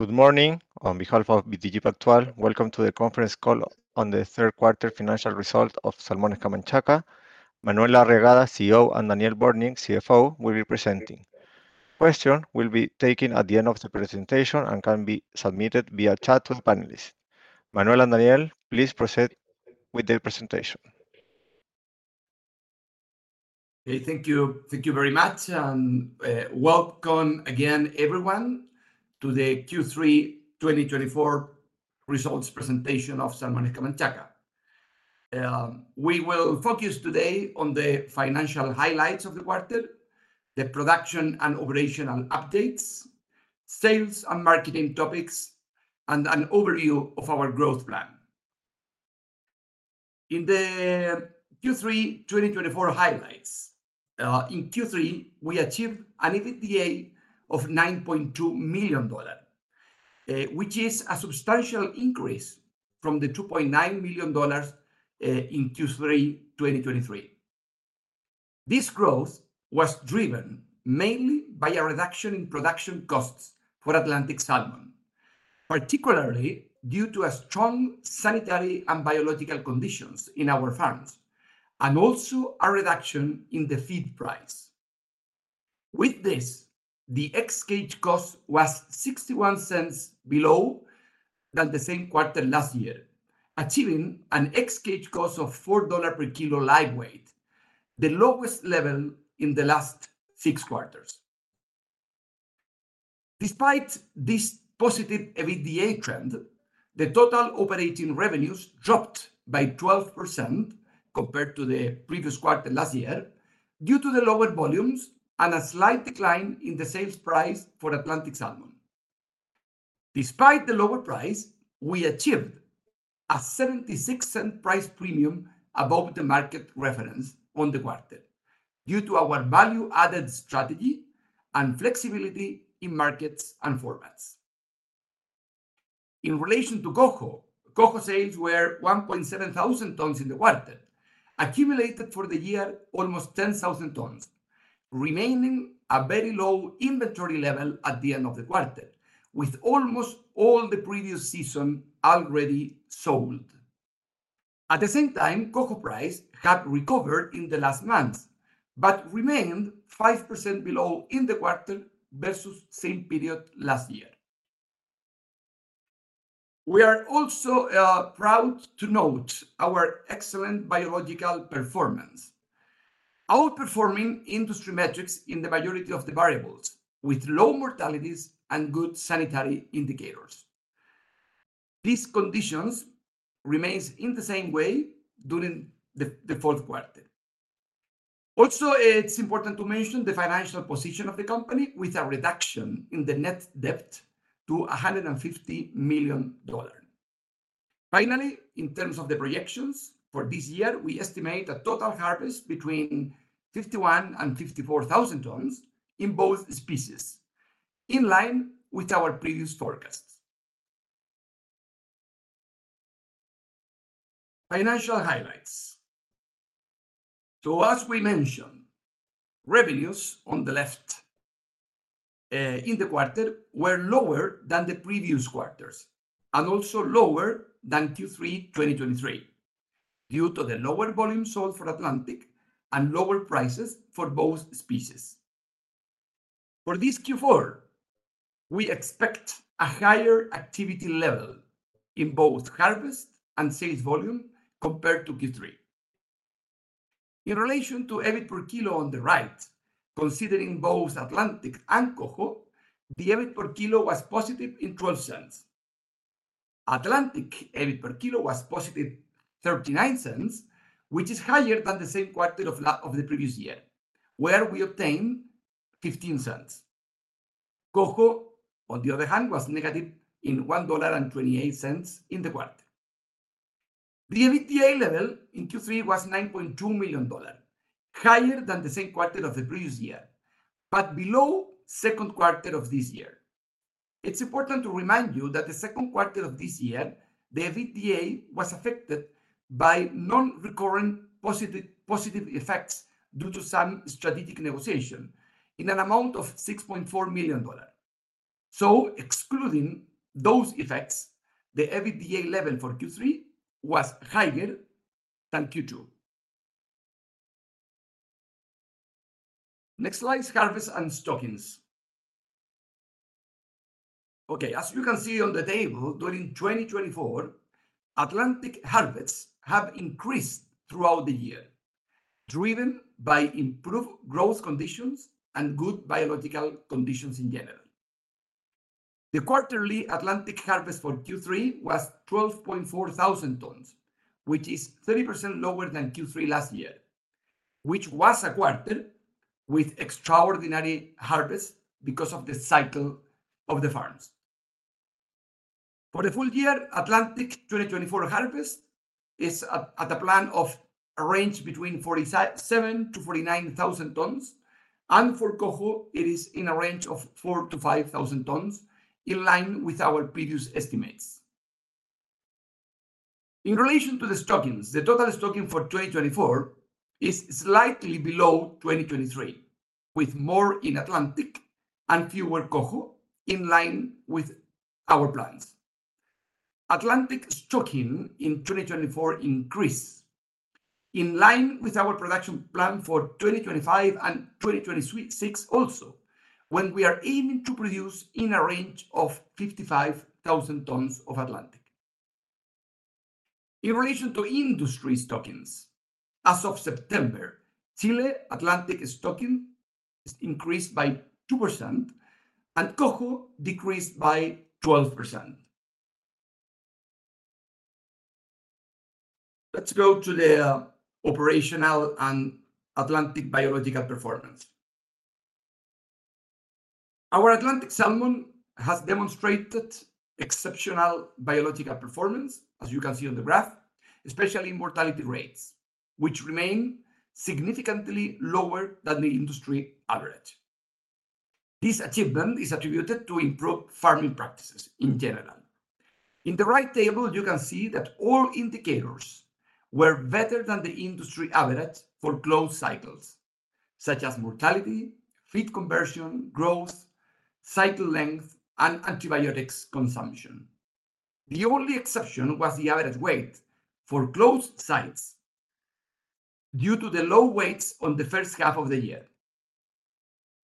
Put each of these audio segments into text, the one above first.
Good morning. On behalf of BTG Pactual, welcome to the conference call on the third quarter financial result of Salmones Camanchaca. Manuel Arriagada, CEO, and Daniel Bortnik, CFO, will be presenting. Questions will be taken at the end of the presentation and can be submitted via chat to the panelists. Manuel and Daniel, please proceed with the presentation. Okay, thank you. Thank you very much and welcome again, everyone, to the Q3 2024 results presentation of Salmones Camanchaca. We will focus today on the financial highlights of the quarter, the production and operational updates, sales and marketing topics, and an overview of our growth plan. In the Q3 2024 highlights, in Q3, we achieved an EBITDA of $9.2 million, which is a substantial increase from the $2.9 million in Q3 2023. This growth was driven mainly by a reduction in production costs for Atlantic salmon, particularly due to strong sanitary and biological conditions in our farms, and also a reduction in the feed price. With this, the ex-cage cost was $0.61 below than the same quarter last year, achieving an ex-cage cost of $4 per kilo live weight, the lowest level in the last six quarters. Despite this positive EBITDA trend, the total operating revenues dropped by 12% compared to the previous quarter last year due to the lower volumes and a slight decline in the sales price for Atlantic Salmon. Despite the lower price, we achieved a $0.76 price premium above the market reference on the quarter due to our value-added strategy and flexibility in markets and formats. In relation to Coho, Coho sales were 1.7 thousand tons in the quarter, accumulated for the year almost 10,000 tons, remaining a very low inventory level at the end of the quarter, with almost all the previous season already sold. At the same time, Coho price had recovered in the last months but remained 5% below in the quarter versus the same period last year. We are also proud to note our excellent biological performance, outperforming industry metrics in the majority of the variables, with low mortalities and good sanitary indicators. These conditions remained in the same way during the fourth quarter. Also, it's important to mention the financial position of the company, with a reduction in the net debt to $150 million. Finally, in terms of the projections for this year, we estimate a total harvest between 51,000 and 54,000 tons in both species, in line with our previous forecasts. Financial highlights. So, as we mentioned, revenues on the left in the quarter were lower than the previous quarters and also lower than Q3 2023 due to the lower volume sold for Atlantic and lower prices for both species. For this Q4, we expect a higher activity level in both harvest and sales volume compared to Q3. In relation to EBIT per kilo on the right, considering both Atlantic and Coho. The EBIT per kilo was positive $0.12. Atlantic EBIT per kilo was positive $0.39, which is higher than the same quarter of the previous year, where we obtained $0.15. Coho, on the other hand, was negative $1.28 in the quarter. The EBITDA level in Q3 was $9.2 million, higher than the same quarter of the previous year, but below the second quarter of this year. It's important to remind you that the second quarter of this year, the EBITDA was affected by non-recurrent positive effects due to some strategic negotiation in an amount of $6.4 million, excluding those effects, the EBITDA level for Q3 was higher than Q2. Next slide is harvest and stockings. Okay, as you can see on the table, during 2024, Atlantic harvests have increased throughout the year, driven by improved growth conditions and good biological conditions in general. The quarterly Atlantic harvest for Q3 was 12.4 thousand tons, which is 30% lower than Q3 last year, which was a quarter with extraordinary harvests because of the cycle of the farms. For the full year, Atlantic 2024 harvest is at a plan of a range between 47,000 to 49,000 tons, and for Coho it is in a range of 4,000 to 5,000 tons, in line with our previous estimates. In relation to the stockings, the total stocking for 2024 is slightly below 2023, with more in Atlantic and fewer Coho in line with our plans. Atlantic stocking in 2024 increased in line with our production plan for 2025 and 2026 also, when we are aiming to produce in a range of 55,000 tons of Atlantic. In relation to industry stockings, as of September, Chile Atlantic stocking increased by 2% and Coho decreased by 12%. Let's go to the operational and Atlantic biological performance. Our Atlantic salmon has demonstrated exceptional biological performance, as you can see on the graph, especially in mortality rates, which remain significantly lower than the industry average. This achievement is attributed to improved farming practices in general. In the right table, you can see that all indicators were better than the industry average for closed cycles, such as mortality, feed conversion, growth, cycle length, and antibiotics consumption. The only exception was the average weight for closed sites due to the low weights on the first half of the year.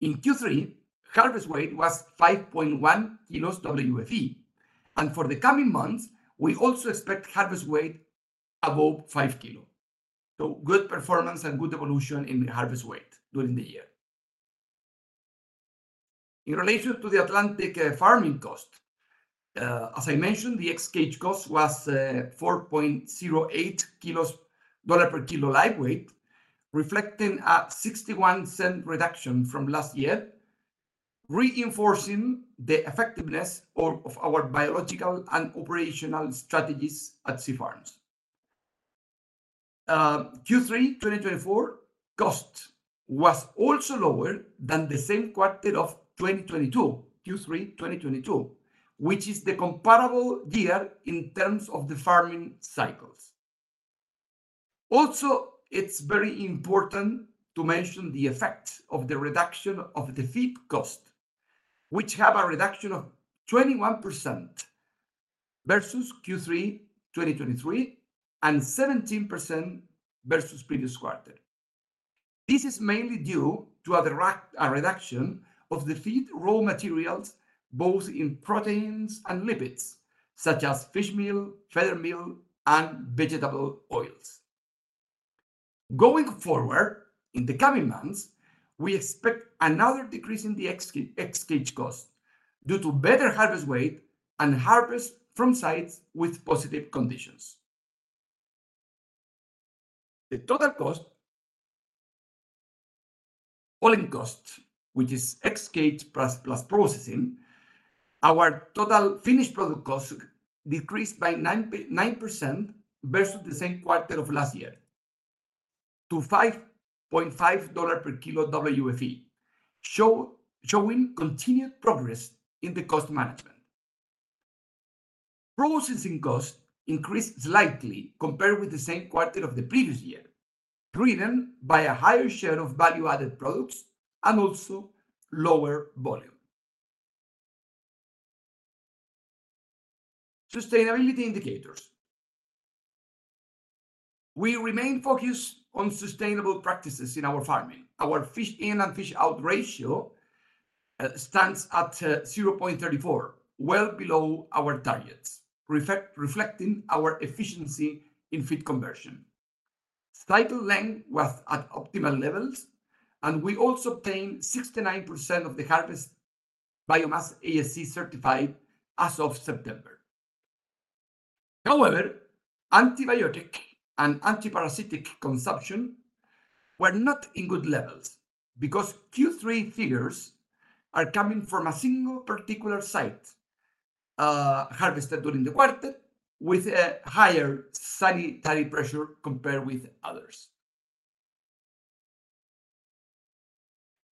In Q3, harvest weight was 5.1 kilos WFE, and for the coming months, we also expect harvest weight above 5 kilos. So, good performance and good evolution in the harvest weight during the year. In relation to the Atlantic farming cost, as I mentioned, the ex-cage cost was $4.08 per kilo live weight, reflecting a $0.61 reduction from last year, reinforcing the effectiveness of our biological and operational strategies at sea farms. Q3 2024 cost was also lower than the same quarter of 2022, Q3 2022, which is the comparable year in terms of the farming cycles. Also, it is very important to mention the effect of the reduction of the feed cost, which had a reduction of 21% versus Q3 2023 and 17% versus the previous quarter. This is mainly due to a reduction of the feed raw materials, both in proteins and lipids, such as fish meal, feather meal, and vegetable oils. Going forward, in the coming months, we expect another decrease in the ex-cage cost due to better harvest weight and harvest from sites with positive conditions. The total cost, all-in cost, which is ex-cage plus processing, our total finished product cost decreased by 9% versus the same quarter of last year to $5.5 per kilo WFE, showing continued progress in the cost management. Processing cost increased slightly compared with the same quarter of the previous year, driven by a higher share of value-added products and also lower volume. Sustainability indicators. We remain focused on sustainable practices in our farming. Our Fish In Fish Out ratio stands at 0.34, well below our targets, reflecting our efficiency in feed conversion. Cycle length was at optimal levels, and we also obtained 69% of the harvest biomass ASC certified as of September. However, antibiotic and antiparasitic consumption were not in good levels because Q3 figures are coming from a single particular site harvested during the quarter, with a higher sanitary pressure compared with others.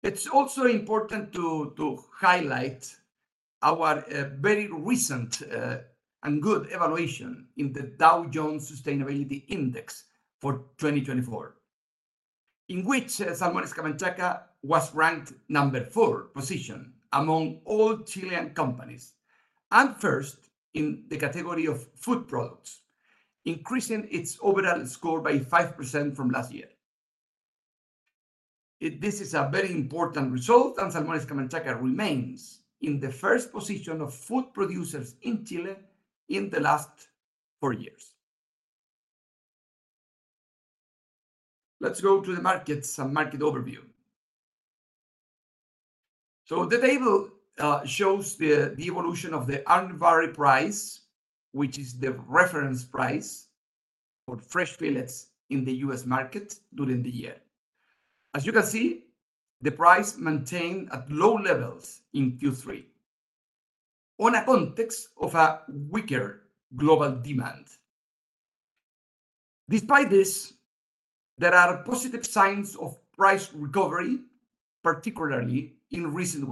It's also important to highlight our very recent and good evaluation in the Dow Jones Sustainability Index for 2024, in which Salmones Camanchaca was ranked number four position among all Chilean companies and first in the category of food products, increasing its overall score by 5% from last year. This is a very important result, and Salmones Camanchaca remains in the first position of food producers in Chile in the last four years. Let's go to the markets and market overview. The table shows the evolution of the Urner Barry price, which is the reference price for fresh fillets in the U.S. market during the year. As you can see, the price maintained at low levels in Q3, in a context of a weaker global demand. Despite this, there are positive signs of price recovery, particularly in recent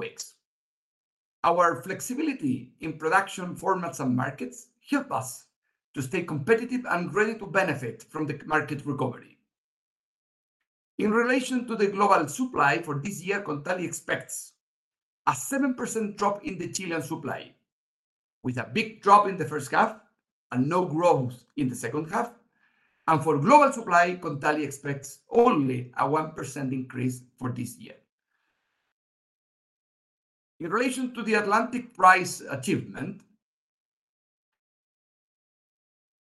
weeks. Our flexibility in production formats and markets helps us to stay competitive and ready to benefit from the market recovery. In relation to the global supply for this year, Kontali expects a 7% drop in the Chilean supply, with a big drop in the first half and no growth in the second half. For global supply, Kontali expects only a 1% increase for this year. In relation to the Atlantic price achievement,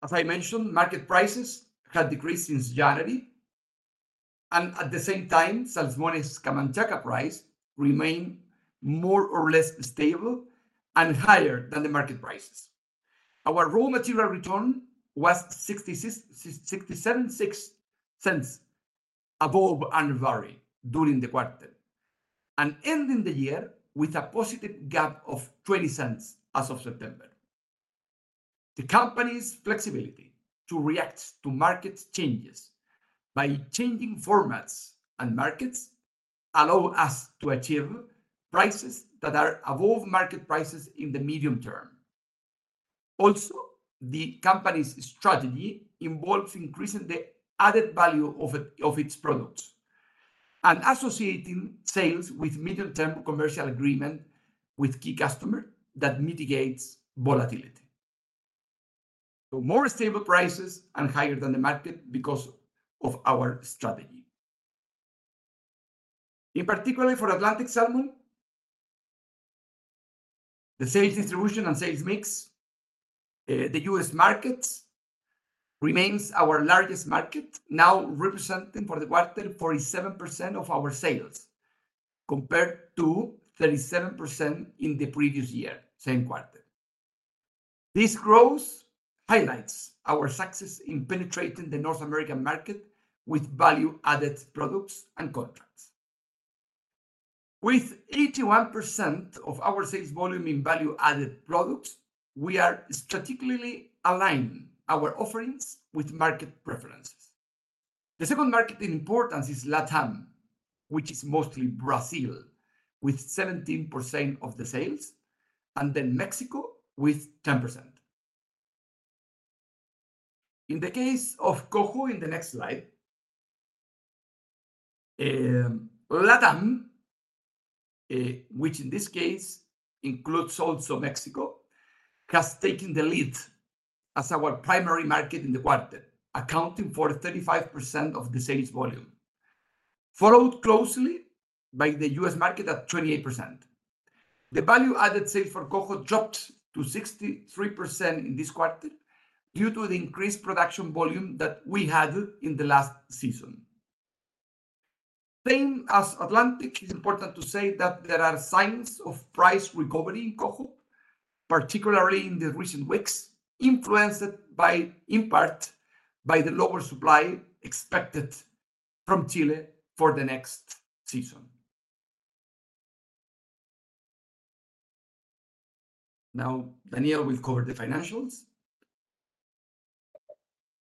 as I mentioned, market prices had decreased since January, and at the same time, Salmones Camanchaca price remained more or less stable and higher than the market prices. Our raw material return was $0.676 above Urner Barry during the quarter, and ending the year with a positive gap of $0.20 as of September. The company's flexibility to react to market changes by changing formats and markets allows us to achieve prices that are above market prices in the medium term. Also, the company's strategy involves increasing the added value of its products and associating sales with medium-term commercial agreements with key customers that mitigate volatility. So, more stable prices and higher than the market because of our strategy. In particular, for Atlantic salmon, the sales distribution and sales mix, the U.S. market remains our largest market, now representing for the quarter 47% of our sales compared to 37% in the previous year, same quarter. This growth highlights our success in penetrating the North American market with value-added products and contracts. With 81% of our sales volume in value-added products, we are strategically aligning our offerings with market preferences. The second market in importance is LATAM, which is mostly Brazil, with 17% of the sales, and then Mexico with 10%. In the case of Coho in the next slide, LATAM, which in this case includes also Mexico, has taken the lead as our primary market in the quarter, accounting for 35% of the sales volume, followed closely by the U.S. market at 28%. The value-added sales for Coho dropped to 63% in this quarter due to the increased production volume that we had in the last season. Same as Atlantic, it's important to say that there are signs of price recovery in Coho particularly in the recent weeks, influenced in part by the lower supply expected from Chile for the next season. Now, Daniel will cover the financials.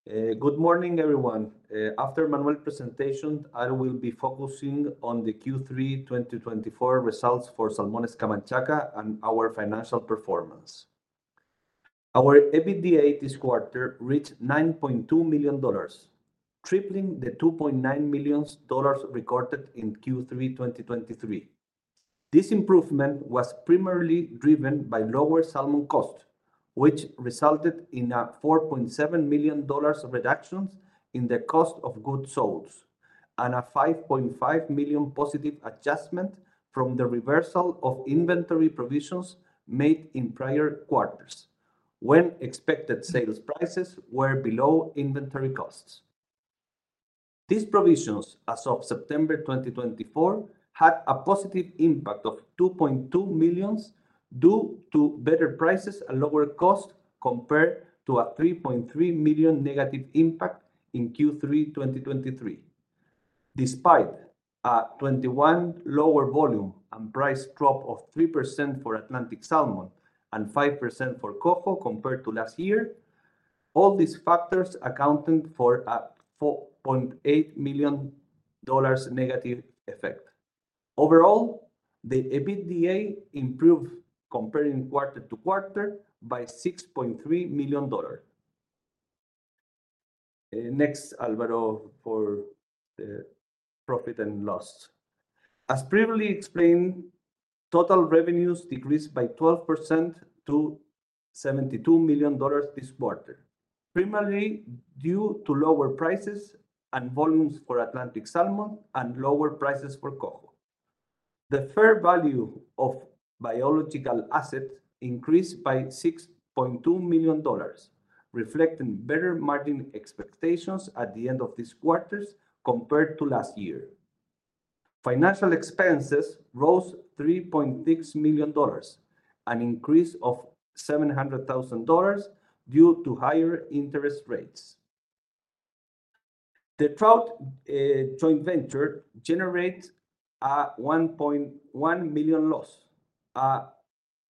Good morning, everyone. After Manuel's presentation, I will be focusing on the Q3 2024 results for Salmones Camanchaca and our financial performance. Our EBITDA this quarter reached $9.2 million, tripling the $2.9 million recorded in Q3 2023. This improvement was primarily driven by lower salmon cost, which resulted in a $4.7 million reduction in the cost of goods sold and a $5.5 million positive adjustment from the reversal of inventory provisions made in prior quarters, when expected sales prices were below inventory costs. These provisions, as of September 2024, had a positive impact of $2.2 million due to better prices and lower costs compared to a $3.3 million negative impact in Q3 2023. Despite a 21% lower volume and price drop of 3% for Atlantic salmon and 5% for Coho compared to last year, all these factors accounted for a $4.8 million negative effect. Overall, the EBITDA improved compared in quarter to quarter by $6.3 million. Next, Álvaro, for the profit and loss. As previously explained, total revenues decreased by 12% to $72 million this quarter, primarily due to lower prices and volumes for Atlantic salmon and lower prices for Coho. The fair value of biological assets increased by $6.2 million, reflecting better margin expectations at the end of this quarter compared to last year. Financial expenses rose $3.6 million, an increase of $700,000 due to higher interest rates. The Trout Joint Venture generates a $1.1 million loss, a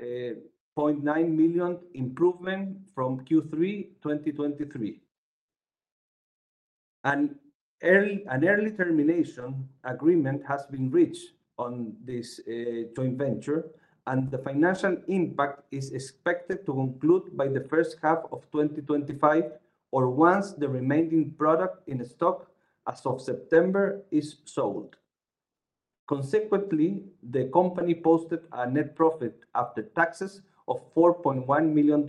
$0.9 million improvement from Q3 2023. An early termination agreement has been reached on this joint venture, and the financial impact is expected to conclude by the first half of 2025 or once the remaining product in stock as of September is sold. Consequently, the company posted a net profit after taxes of $4.1 million,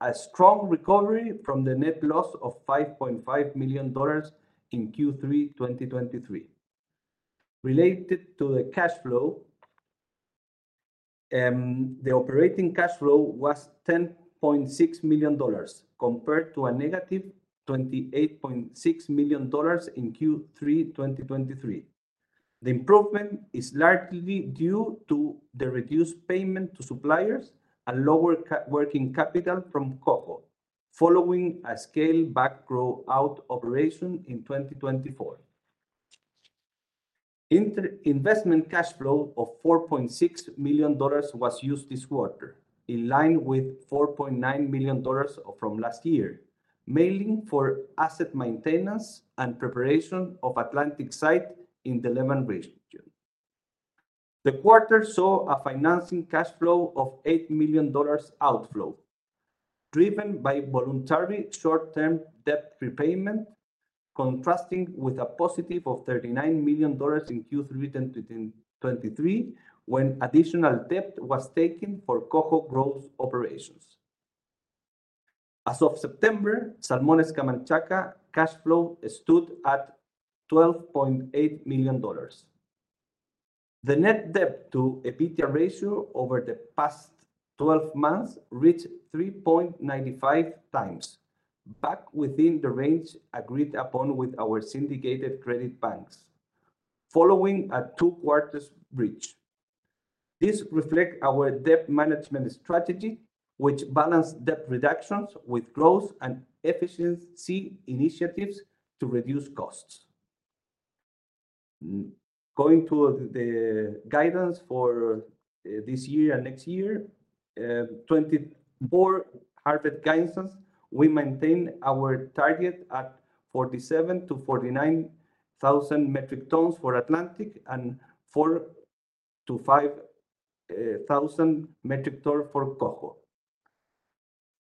a strong recovery from the net loss of $5.5 million in Q3 2023. Related to the cash flow, the operating cash flow was $10.6 million compared to a negative $28.6 million in Q3 2023. The improvement is largely due to the reduced payment to suppliers and lower working capital from Coho following a scale-back grow-out operation in 2024. Investment cash flow of $4.6 million was used this quarter, in line with $4.9 million from last year, mainly for asset maintenance and preparation of Atlantic site in the [XI region]. The quarter saw a financing cash flow of $8 million outflow, driven by voluntary short-term debt repayment, contrasting with a positive of $39 million in Q3 2023 when additional debt was taken for Coho growth operations. As of September, Salmones Camanchaca cash flow stood at $12.8 million. The Net Debt to EBITDA ratio over the past 12 months reached 3.95x, back within the range agreed upon with our syndicated credit banks, following a two-quarters breach. This reflects our debt management strategy, which balances debt reductions with growth and efficiency initiatives to reduce costs. Going to the guidance for this year and next year, 2024 guidance, we maintain our target at 47,000-49,000 metric tons for Atlantic and 4,000-5,000 metric tons for Coho.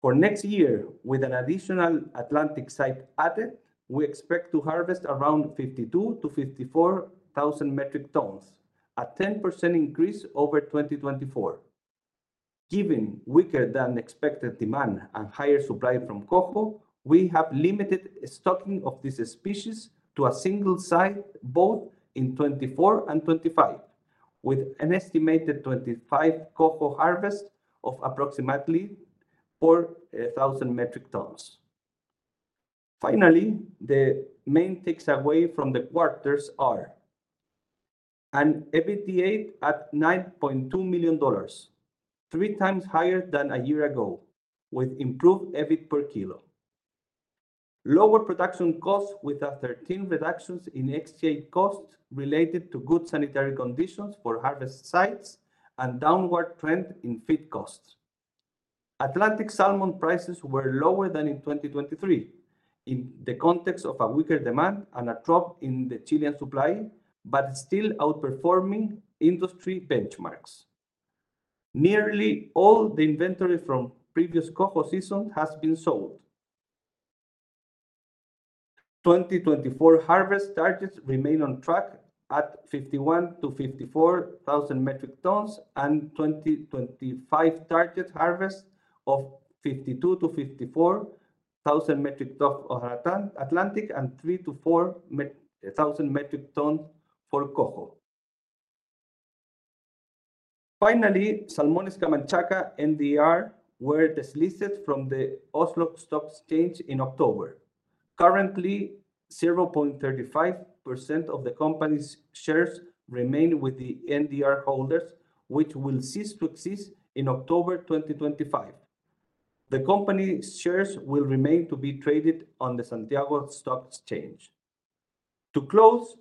For next year, with an additional Atlantic site added, we expect to harvest around 52,000-54,000 metric tons, a 10% increase over 2024. Given weaker than expected demand and higher supply from Coho, we have limited stocking of this species to a single site both in 2024 and 2025, with an estimated 2025 Coho harvest of approximately 4,000 metric tons. Finally, the main takeaways from the quarter are an EBITDA at $9.2 million, three times higher than a year ago, with improved EBIT per kilo, lower production costs with three reductions in ex-cage costs related to good sanitary conditions for harvest sites and downward trend in feed costs. Atlantic salmon prices were lower than in 2023 in the context of a weaker demand and a drop in the Chilean supply, but still outperforming industry benchmarks. Nearly all the inventory from previous Coho season has been sold. 2024 harvest targets remain on track at 51,000-54,000 metric tons and 2025 target harvest of 52,000-54,000 metric tons for Atlantic and 3,000-4,000 metric tons for Coho. Finally, Salmones Camanchaca NDR were delisted from the Oslo Stock Exchange in October. Currently, 0.35% of the company's shares remain with the NDR holders, which will cease to exist in October 2025. The company's shares will remain to be traded on the Santiago Stock Exchange. To close,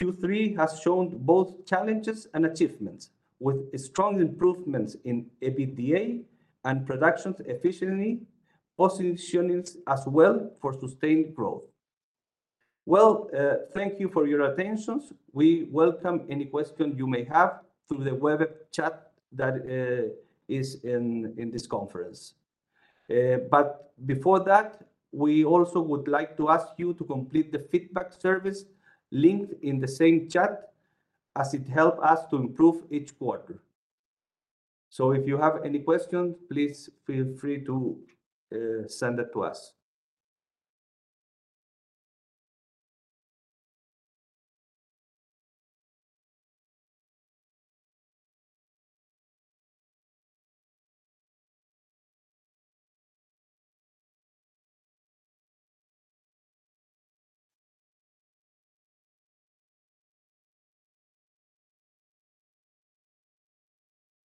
Q3 has shown both challenges and achievements, with strong improvements in EBITDA and production efficiency, positioning as well for sustained growth. Thank you for your attention. We welcome any questions you may have through the web chat that is in this conference. But before that, we also would like to ask you to complete the feedback survey linked in the same chat as it helps us to improve each quarter. So if you have any questions, please feel free to send it to us.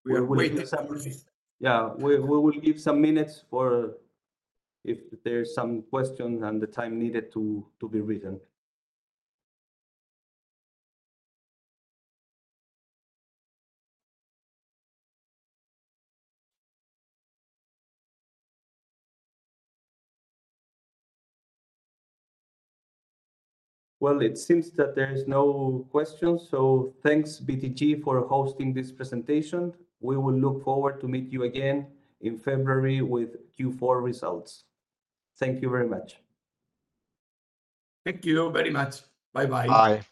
We are waiting some. Yeah, we will give some minutes for if there's some questions and the time needed to be written. Well, it seems that there's no questions. So thanks, BTG, for hosting this presentation. We will look forward to meeting you again in February with Q4 results. Thank you very much. Thank you very much. Bye-bye. Bye.